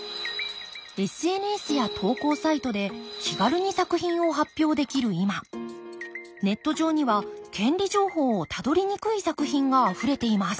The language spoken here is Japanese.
ＳＮＳや投稿サイトで気軽に作品を発表できる今ネット上には権利情報をたどりにくい作品があふれています。